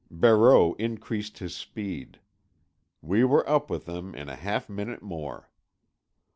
Barreau increased his speed. We were up with them in a half minute more.